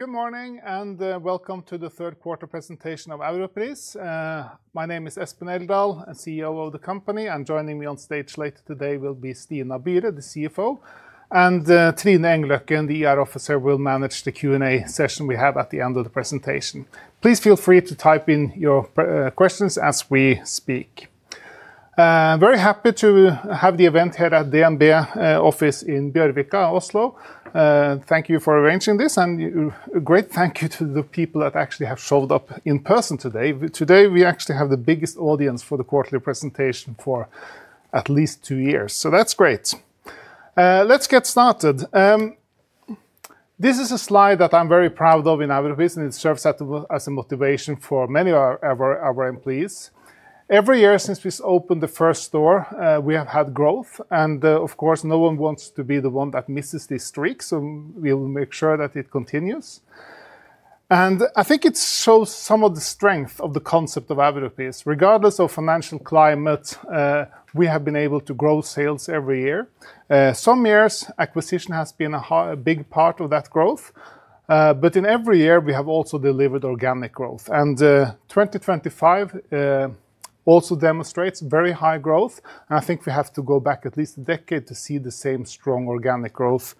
Good morning and welcome to the third quarter presentation of Europris. My name is Espen Eldal, CEO of the company. Joining me on stage later today will be Stina Byre, the CFO, and Trine Engløkken, the IR Officer, will manage the Q&A session we have.At the end of the presentation. Please feel free to type in your questions as we speak. Very happy to have the event here at the office in Bjørvika, Oslo. Thank you for arranging this, and great thank you to the people that actually have showed up in person today. Today we actually have the biggest audience for the quarterly presentation for at least two years. That's great. Let's get started. This is a slide that I'm very proud of in Europris, and it serves as a motivation for many of our employees. Every year since we opened the first store, we have had growth, and of course no one wants to be the. One that misses this streak. We will make sure that it continues. I think it shows some of the strength of the concept of Europris. Regardless of financial climate, we have been able to grow sales every year. Some years acquisition has been a big part of that growth, but in every year we have also delivered organic growth. 2025 also demonstrates very high growth. I think we have to go back at least a decade to see the same strong organic growth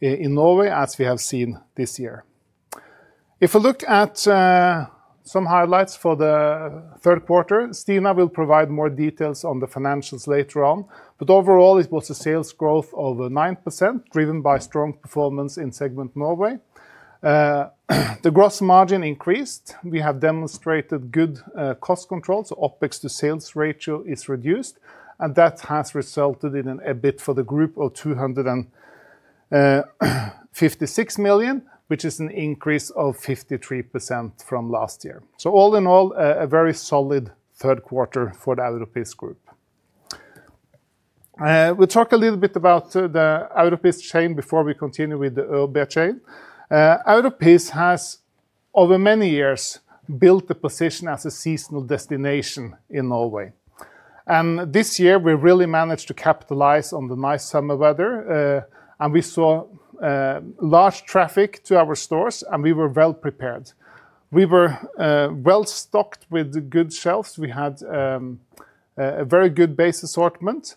in Norway as we have seen this year. If we look at some highlights for the third quarter, Stina will provide more details on the financials later on. Overall, it was a sales growth over 9% driven by strong performance in segment Norway. The gross margin increased, we have demonstrated good cost control, so the OpEx-to-sales ratio is reduced and that has resulted in EBIT for the group of 256 million, which is an increase of 53% from last year. All in all, a very solid third quarter for the Europris group. We talk a little bit about the Europris chain before we continue with the ÖoB chain. Europris has over many years built a position as a seasonal destination in Norway. This year we really managed to capitalize on the nice summer weather. We saw large traffic to our stores and we were well prepared, we were well stocked with good shelves, we had a very good base assortment.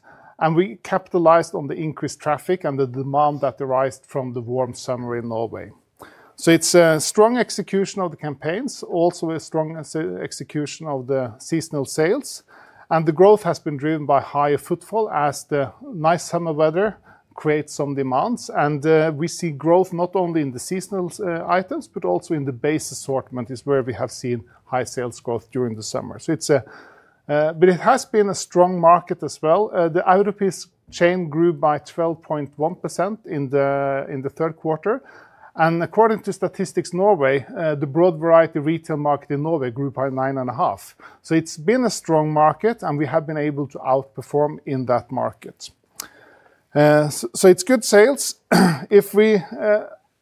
We capitalized on the increased traffic and the demand that arise from the warm summer in Norway. It is a strong execution of the campaigns, also a strong execution of the seasonal sales. The growth has been driven by higher footfall as the nice summer weather creates some demands and we see growth not only in the seasonal items but also in the base assortment, where we have seen high sales growth during the summer. It has been a strong market as well. The Europris chain grew by 12.1% in the third quarter and according to Statistics Norway, the broad variety retail market in Norway grew by 9.5%. It has been a strong market and we have been able to outperform in that market. It is good sales. If we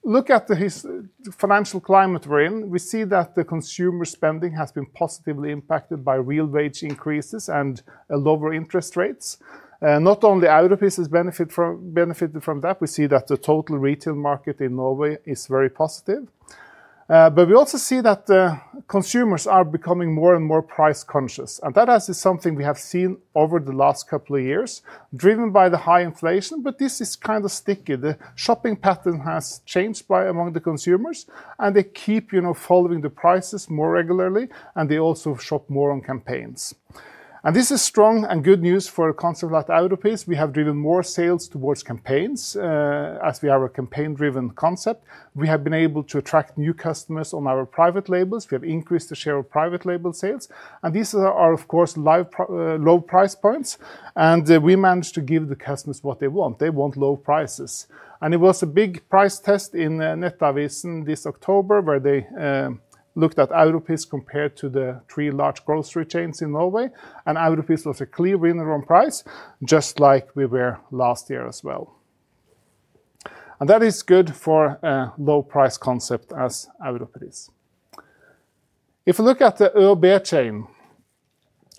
look at the financial climate we're in, we see that the consumer spending has been positively impacted by real wage increases and lower interest rates. Not only Europris has benefited from that. We see that the total retail market in Norway is very positive. We also see that consumers are becoming more and more price conscious. That is something we have seen all over the last couple of years driven by the high inflation. This is kind of sticky. The shopping pattern has changed among the consumers and they keep following the prices more regularly. They also shop more on campaigns. This is strong and good news for a concept like Europris. We have driven more sales towards campaigns as we have a campaign-driven concept. We have been able to attract new customers on our private labels. We have increased the share of private label sales and these are of course low price points. We managed to give the customers what they want. They want low prices. There was a big price test in Netavisen this October where they looked at Europris compared to the three large grocery chains in Norway. Europris was a clear winner on price just like we were last year as well. That is good for a low. Price concept as in Europris. If we look at the ÖoB chain,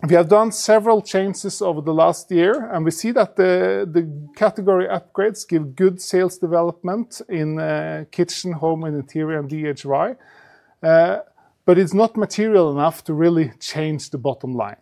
we have done several changes over the last year and we see that the category upgrades give good sales development in kitchen, home and interior and DIY. It's not material enough to really. Change the bottom line.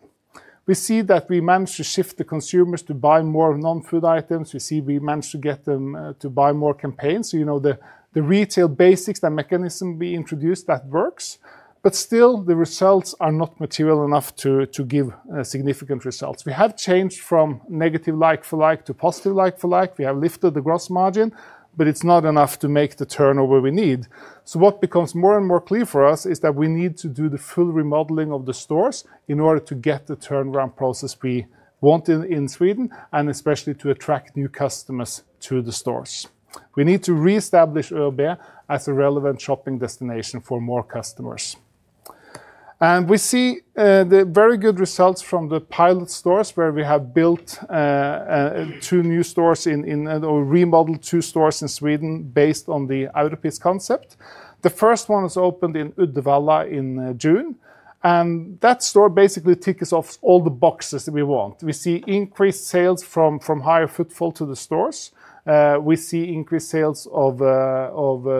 We see that we managed to shift the consumers to buy more non-food items. We see we managed to get them. To buy more campaigns, the retail basics, the mechanism we introduced that works, but still the results are not material enough. To give significant results. We have changed from negative like for like to positive like for like. We have lifted the gross margin, but it's not enough to make the turnover we need. What becomes more and more clear for us is that we need to do the full remodeling of the stores in order to get the turnaround process we want in Sweden, and especially to. Attract new customers to the stores. Need to reestablish ÖoB as a. Relevant shopping destination for more customers. We see the very good results from the pilot stores where we have built two new stores or remodeled two stores in Sweden based on the Europris concept. The first one opened in Uddevalla in June and that store basically ticks. Of all the boxes that we want. We see increased sales from higher footfall to the stores. We see increased sales of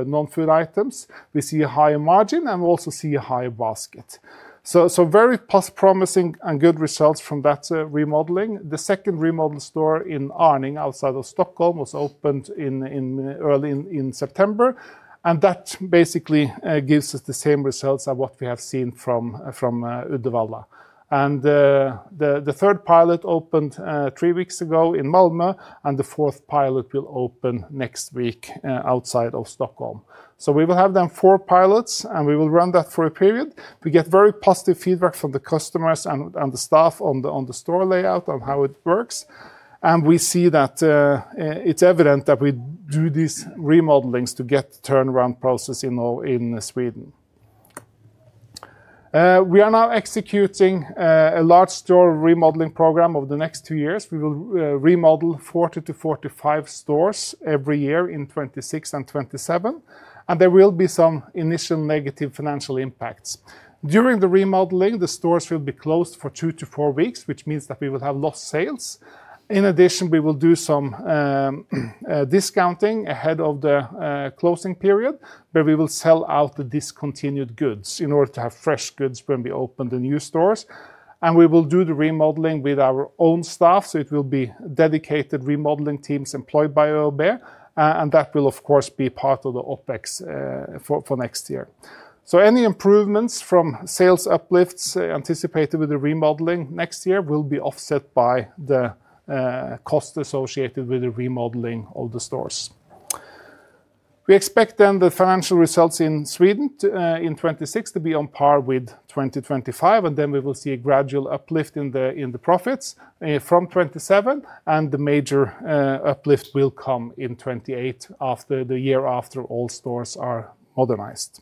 non food items. We see a higher margin also. See a higher basket. Very promising and good results from that remodeling. The second remodel store in Arninge outside. Of Stockholm was opened early in September. That basically gives us the same. Results as what we have seen from Uddevalla. The third pilot opened three weeks ago in Malmö. The fourth pilot will open next week outside of Stockholm. We will have them four pilots, and we will run that for a period. We get very positive feedback from the. Customers and the staff in the store. Layout, on how it works. It's evident that we do these remodelings to get turnaround process.In Sweden. We are now executing a large store remodeling program over the next two years. We will remodel 40 stores-45 stores every year in 2026 and 2027. There will be some initial negative financial impacts during the remodeling. The stores will be closed for two to four weeks, which means that we. Will have lost sales. In addition, we will do some discounting. Ahead of the closing period, we will sell out the discontinued goods in order to have fresh goods when we open the new stores. We will do the remodeling with our own staff. It will be dedicated remodeling teams employed by ÖoB, and that will of course be part. Of the OpEx for next year. Any improvements from sales uplifts anticipated with the remodeling next year will be. Offset by the cost associated with the remodeling of the stores. We expect the financial results in Sweden in 2026 to be on par with 2025. We will see a gradual. Uplift in the profits from 2027 and. The major uplift will come in 2028, the year after stores are modernized.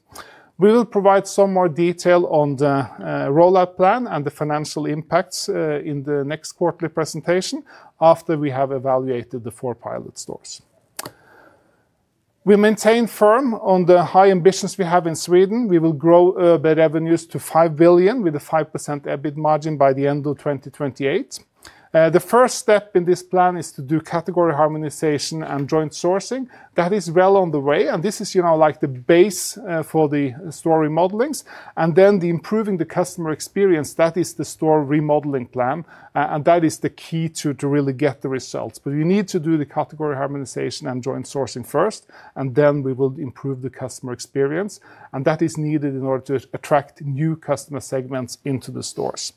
We will provide some more detail on the rollout plan and the financial impacts. In the next quarterly presentation, after we have evaluated the four pilot. Stores, we maintain firm on the high ambitions we have in Sweden. We will grow the revenues to 5 billion with a 5% EBIT margin by. The end of 2028. The first step in this plan is. To do category harmonization and joint sourcing, that is well on the way. This is, you know, like the base, the store remodelings and then improving the customer experience. That is the store remodeling plan. That is the key to really get the results. You need to do the category. Harmonization and joint sourcing first, then we will improve the customer experience. That is needed in order to. Attract new customer segments into the stores.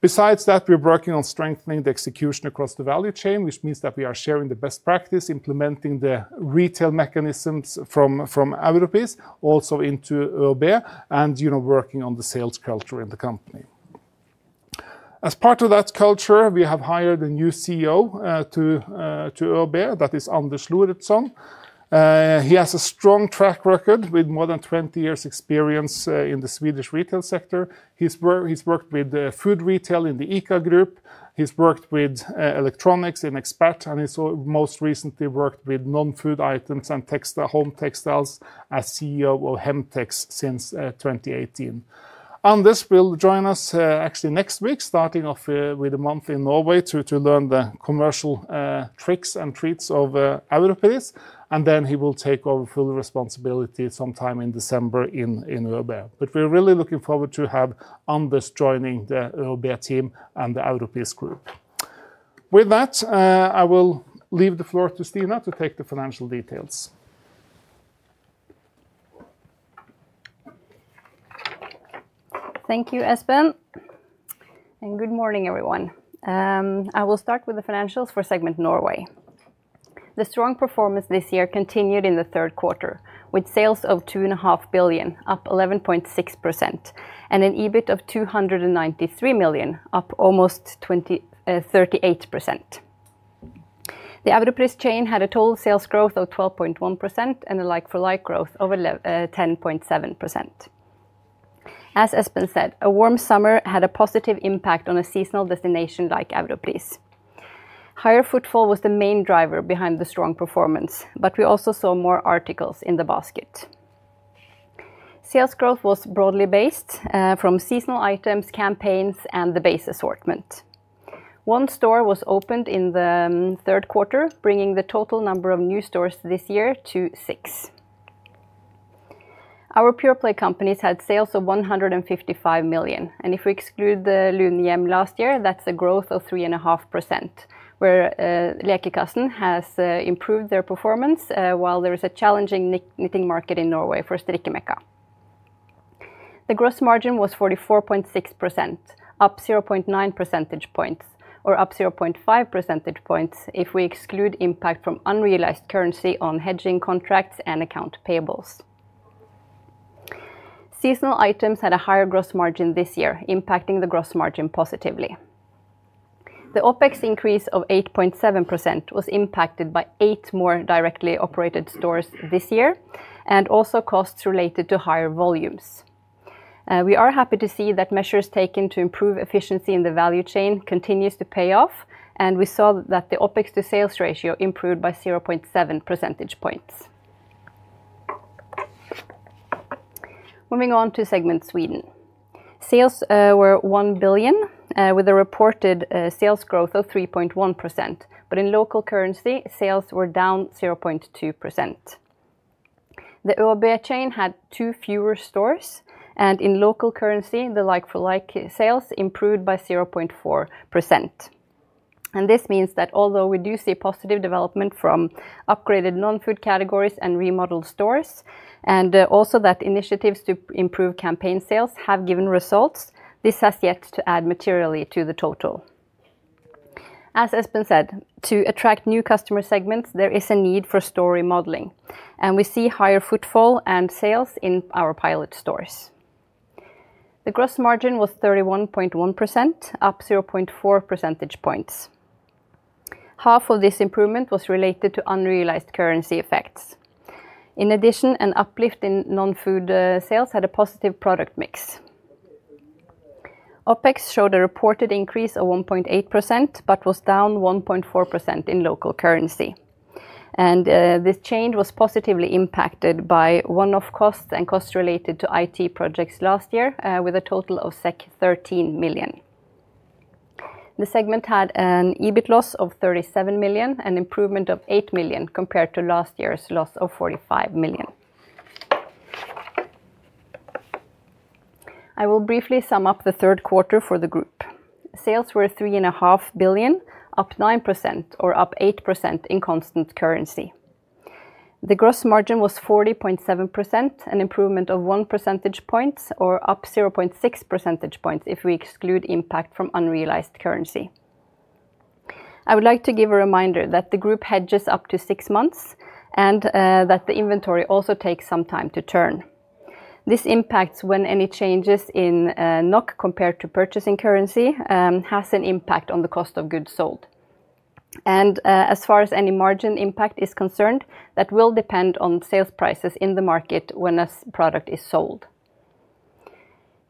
Besides that, we are working on strengthening. The execution across the value chain, which means that we are sharing the best. Practice, implementing the retail mechanisms from Europris also into ÖoB, you know. Working on the sales culture in the company. As part of that culture, we have hired a new CEO to ÖoB. That is Anders Lorentzson. He has a strong track record. More than 20 years experience in the Swedish retail sector. He's worked with food retail in the ICA group, he's worked with electronics in Expert, and he's most recently worked with non food items and home textiles as CEO of Hemtex since 2018. Anders will join us actually next week. Starting off with a month in Norway to learn the commercial tricks and treats of Europris. He will take over full responsibility sometime in December in ÖoB. We're really looking forward to have. Anders joining the team and the Europris group. With that, I will leave the floor. To Stina to take the financial details. Thank you Espen and good morning everyone. I will start with the financials for segment Norway. The strong performance this year continued in the third quarter with sales of 2.5 billion, up 11.6%, and an EBIT of 293 million, up almost 38%. The average chain had a total sales growth of 12.1% and a like-for-like growth of 10.7%. As Espen said, a warm summer had a positive impact on a seasonal destination like Europris. Higher footfall was the main driver behind the strong performance. We also saw more articles in the basket. Sales growth was broadly based from seasonal items, campaigns, and the base assortment. One store was opened in the third quarter, bringing the total number of new stores this year to six. Our pure play companies had sales of 155 million, and if we exclude the Luniem last year, that's a growth of 3.5%. Lekekassen has improved their performance. While there is a challenging knitting market in Norway for Strikkemekka, the gross margin was 44.6%, up 0.9 percentage points or up 0.5 percentage points if we exclude impact from unrealized currency on hedging contracts and account payables. Seasonal items had a higher gross margin this year, impacting the gross margin positively. The OpEx increase of 8.7% was impacted by eight more directly operated stores this year and also costs related to higher volumes. We are happy to see that measures taken to improve efficiency in the value chain continue to pay off and we saw that the OpEx-to-sales ratio improved by 0.7 percentage points. Moving on to segment Sweden, sales were 1 billion with a reported sales growth of 3.1%. In local currency, sales were down 0.2%. The ÖoB chain had two fewer stores and in local currency the like-for-like sales improved by 0.4%. This means that although we do see positive development from upgraded non-food categories and remodeled stores, and also that initiatives to improve campaign sales have given results, this has yet to add materially to the total. As Espen said, to attract new customer segments there is a need for store remodeling and we see higher footfall and sales. In our pilot stores, the gross margin was 31.1%, up 0.4 percentage points. Half of this improvement was related to unrealized currency effects. In addition, an uplift in non-food sales had a positive product mix. OpEx showed a reported increase of 1.8% but was down 1.4% in local currency. This change was positively impacted by one-off cost and costs related to IT projects. Last year with a total of 13 million, the segment had an EBIT loss of 37 million, an improvement of 8 million compared to last year's loss of 45 million. I will briefly sum up the third quarter for the group. Sales were 3.5 billion, up 9% or up 8% in constant currency. The gross margin was 40.7%, an improvement of 1 percentage point or up 0.6 percentage points if we exclude impact from unrealized currency. I would like to give a reminder that the group hedges up to six months and that the inventory also takes some time to turn. This impacts when any changes in NOK compared to purchasing currency has an impact on the cost of goods sold. As far as any margin impact is concerned, that will depend on sales prices in the market when a product is sold.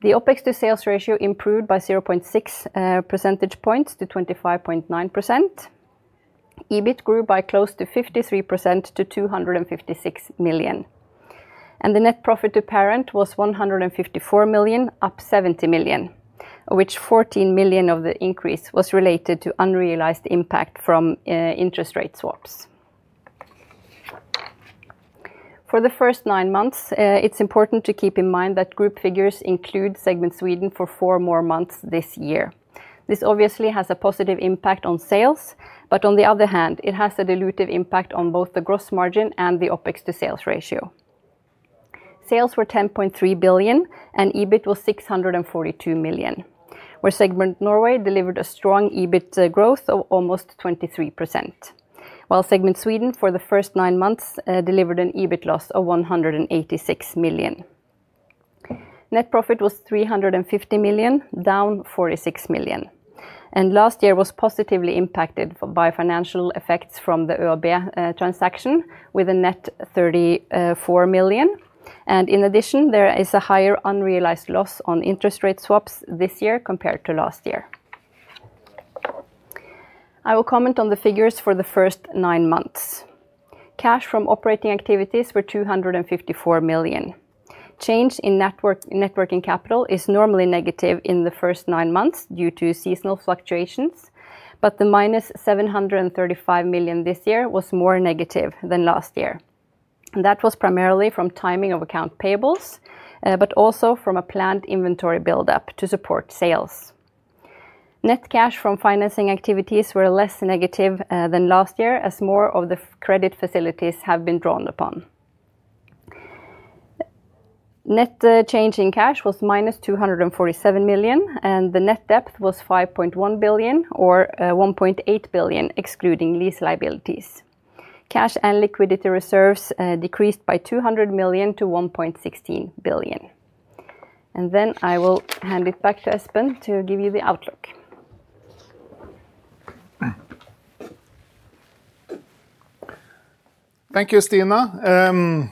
The OpEx-to-sales ratio improved by 0.6 percentage points to 25.9%. EBIT grew by close to 53% to 256 million and the net profit to parent was 154 million, up 70 million, of which 14 million of the increase was related to unrealized impact from interest rate swaps for the first nine months. It's important to keep in mind that group figures include Segment Sweden for four more months this year. This obviously has a positive impact on sales, but on the other hand it has a dilutive impact on both the gross margin and the OpEx-to-sales ratio. Sales were 10.3 billion and EBIT was 642 million, where Segment Norway delivered a strong EBIT growth of almost 23% while Segment Sweden for the first nine months delivered an EBIT loss of 186 million. Net profit was 350 million, down 46 million. Last year was positively impacted by financial effects from the ÖoB transaction with a net 34 million. In addition, there is a higher unrealized loss on interest rate swaps this year compared to last year. I will comment on the figures for the first nine months. Cash from operating activities were 254 million. Change in net working capital is normally negative in the first nine months due to seasonal fluctuations, but the -735 million this year was more negative than last year. That was primarily from timing of account payables, but also from a planned inventory build up to support sales. Net cash from financing activities were less negative than last year as more of the credit facilities have been drawn upon. Net change in cash was -247 million and the net debt was 5.1 billion or 1.8 billion excluding lease liabilities. Cash and liquidity reserves decreased by 200 million to 1.16 billion. I will hand it back to Espen to give you the outlook. Thank you, Stina.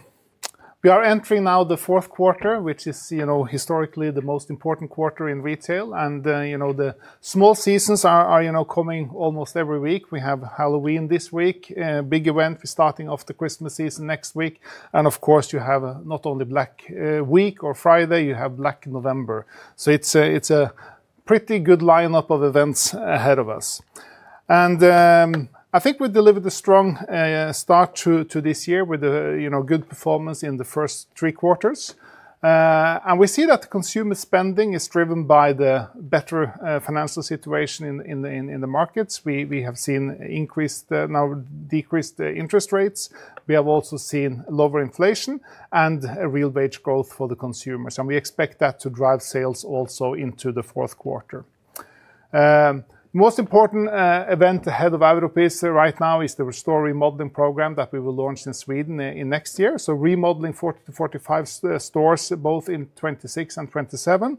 We are entering now the fourth quarter, which is, you know, historically the most important quarter in retail. The small seasons are, you know, coming almost every week. We have Halloween this week, big event. We're starting off the Christmas season next week. Of course, you have not only Black Week or Friday, you have Black November. It's a pretty good lineup of events ahead of us. I think we delivered a strong start to this year with good performance in the first three quarters. We see that the consumer spending is driven by the better financial situation in the markets. We have seen increases, decreased interest rates. We have also seen lower inflation and a real wage growth for the consumers. We expect that to drive sales. Also into the fourth quarter. Most important event ahead of Europris right now is the store remodeling program that we will launch in Sweden next year. Remodeling 40 stores-45 stores both in 2026 and 2027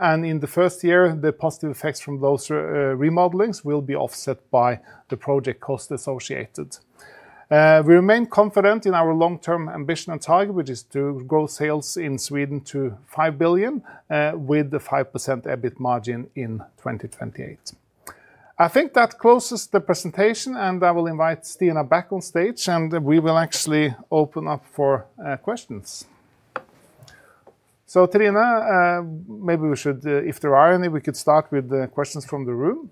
and in the first year. The positive effects from those remodelings will be offset by the project cost associated. We remain confident in our long term ambition and target, which is to grow sales in Sweden to 5 billion with a 5% EBIT margin in 2028. I think that closes the presentation and I will invite Stina back on stage and we will actually open up for questions. Trine, maybe we should. If there are any, we could start with questions from the room,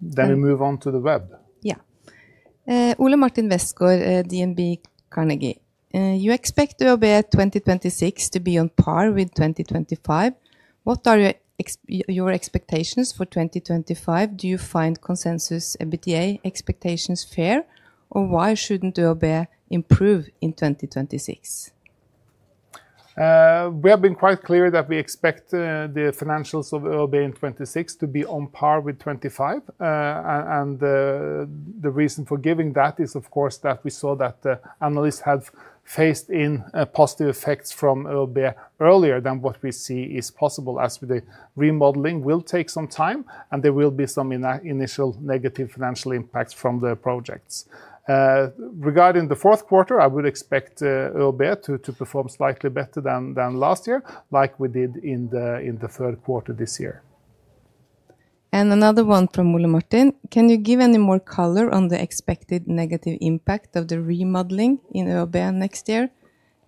then we move on to the web. Yeah. Ole Martin Westgaard DNB Carnegie. You expect the ÖoB 2026 to be on par with 2025. What are your expectations for 2025? Do you find consensus EBITDA expectations fair or why shouldn't the ÖoB improve in 2026? We have been quite clear that we expect the financials of ÖoB in 2026 to be on par with 2025. The reason for giving that is. Of course, we saw that analysts. Have phased in positive effects from ÖoB. Earlier than what we see is possible, as with the remodeling will take some. Time and there will be some initial negative financial impacts from the project. Regarding the fourth quarter, I would expect ÖoB to perform slightly better than last year like we did in the third. Quarter this year, And another one from Ole Martin. Can you give any more color on the expected negative impact of the remodeling in ÖoB next year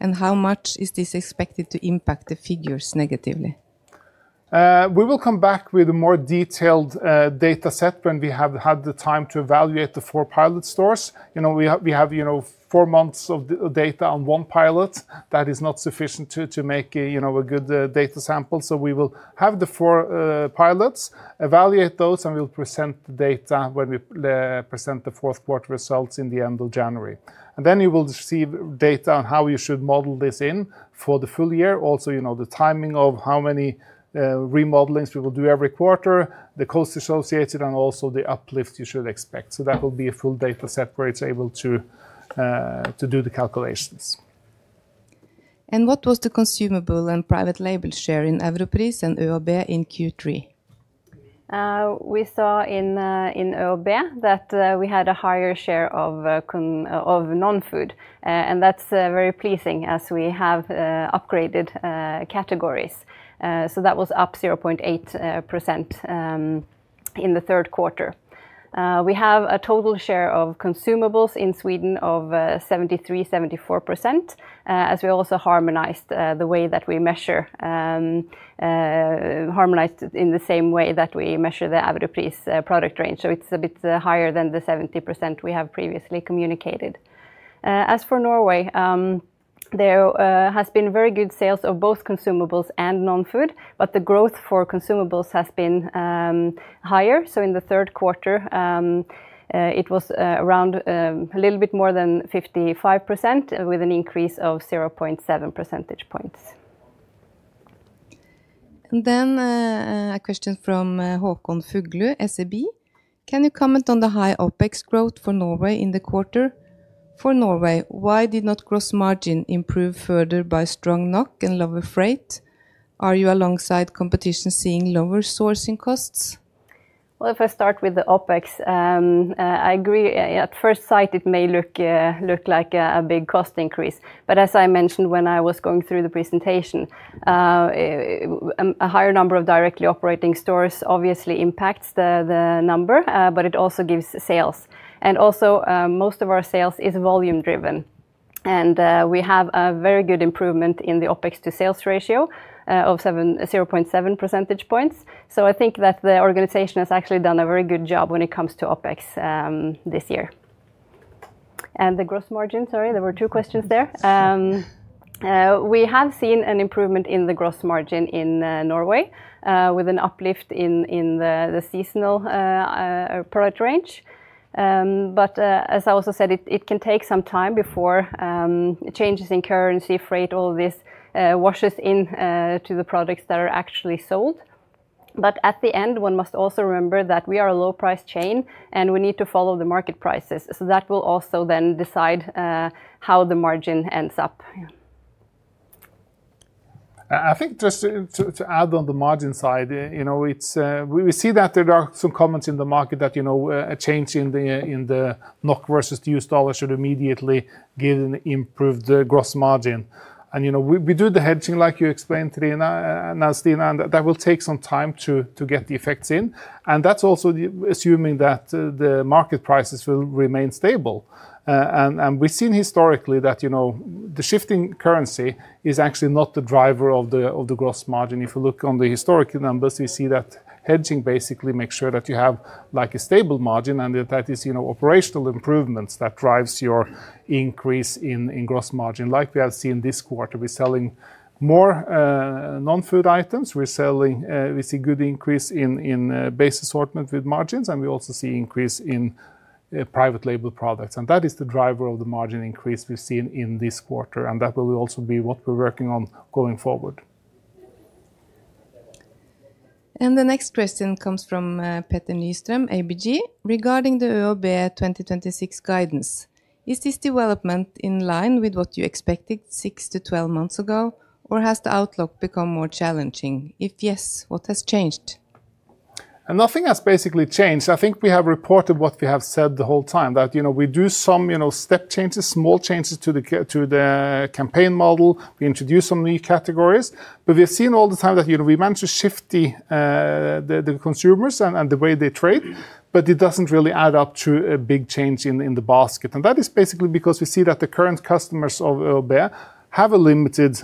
and how much is this expected to impact the figures negatively? We will come back with a more detailed data set when we have had the time to evaluate the four pilot stores. We have four months of data on one pilot. That is not sufficient to make you. know a good data sample. We will have the four pilots evaluate those, and we'll present the data. When we present the fourth quarter results at the end of January. You will receive data on. How you should model this in for the full year. Also, you know the timing of how many remodelings we will do every quarter. The cost associated and also the uplift you should expect. That will be a full data set where it's able to do the calculations. What was the consumable and private label share in Europris and ÖoB in Q3? We saw in ÖoB that we had a higher share of non food and that's very pleasing as we have upgraded categories. That was up 0.8% in the third quarter. We have a total share of consumables in Sweden of 73%, 74% as we also harmonized the way that we measure, harmonized in the same way that we measure the Europris product range. It's a bit higher than the 70% we have previously communicated. As for Norway, there has been very good sales of both consumables and non food, but the growth for consumables has been higher. In the third quarter it was around a little bit more than 55% with an increase of 0.7 percentage points. A question from SEB. Can you comment on the high OpEx growth for Norway in the quarter? For Norway, why did not gross margin improve further by strong NOK and lower freight? Are you alongside competition seeing lower sourcing costs? If I start with the OpEx, I agree at first sight it may look like a big cost increase, but as I mentioned when I was going through the presentation, a higher number of directly operating stores obviously impacts the number, but it also gives sales and also most of our sales is volume driven and we have a very good improvement in the OpEx-to-sales ratio of 0.7%. I think that the organization has actually done a very good job when it comes to OpEx this year and the gross margin. Sorry, there were two questions there. We have seen an improvement in the gross margin in Norway with an uplift in the seasonal product range. As I also said, it can take some time before changes in currency, freight, all this washes in to the products that are actually sold. At the end, one must also remember that we are a low price chain and we need to follow the market prices. That will also then decide how the margin ends up. I think just to add on the margin side, we see that there are. Some comments in the market that a change in the NOK versus U.S. dollars should immediately give an improved gross margin. We do the hedging like you explained, Trine, and that will. Take some time to get the effects in. That is also assuming that the market prices will remain stable. We have seen historically that, you know, the shifting currency is actually not the driver of the gross margin. If you look on the historical numbers, we see that hedging basically makes sure that you have a stable margin and that it is, you know, operational improvements that drive your increase in gross margin, like we have seen this quarter. We're selling more non-food items. We see good increase in base assortment with margins, and we also see increase in private label products. That is the driver of the margin increase we've seen in this quarter. That will also be what we're working on going forward. The next question comes from Peter Nyström, ABG, regarding the ÖoB 2026 guidance. Is this development in line with what you expected 6 to 12 months ago, or has the outlook become more challenging? If yes, what has changed? Nothing has basically changed. I think we have reported what we have said the whole time, that we do some step changes, small changes to the campaign model, we introduce some new categories, but we have seen all the time that we manage to shift the consumers and the way they trade, but it doesn't really add up to a. Big change in the basket. That is basically because we see that the current customers of ÖoB have a limited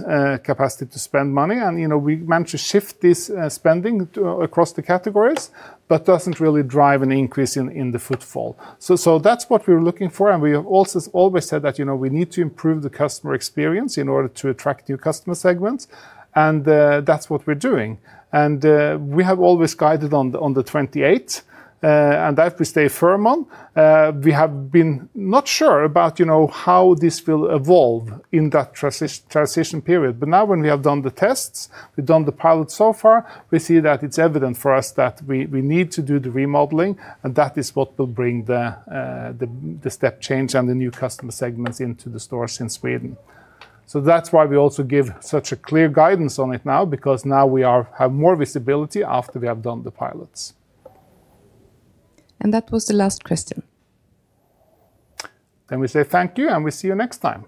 capacity to spend money, and you know, we manage to shift this spending across the categories, but it doesn't really. Drive an increase in the footfall. That is what we were looking for. We have also always said that, you know, we need to improve the customer experience in order to attract new customer segments. That is what we're doing. We have always guided on the 28th, and that we stay firm on. We have been not sure about how this will evolve in that transition period, but now when we have done the tests, we've done the pilot so far, we see that it's evident for us. That we need to do the remodeling, and that is what will bring the step change and the new customer segments into the stores in Sweden. That's why we also give such a clear guidance on it now, because. Now we have more visibility after we have done the pilots. That was the last question. We say thank you and we see you next time.